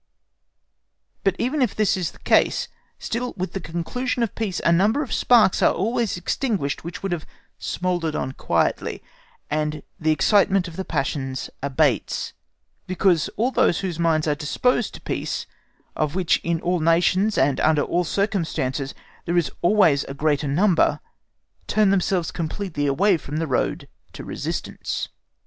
But even if this is the case, still with the conclusion of peace a number of sparks are always extinguished which would have smouldered on quietly, and the excitement of the passions abates, because all those whose minds are disposed to peace, of which in all nations and under all circumstances there is always a great number, turn themselves away completely from the road to resistance.